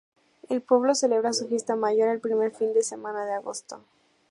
El pueblo celebra su fiesta mayor el primer fin de semana de agosto.